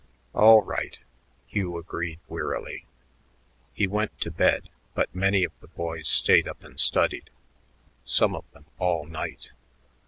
"All right," Hugh agreed wearily. He went to bed, but many of the boys stayed up and studied, some of them all night.